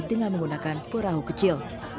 dengan menggunakan perahu kecil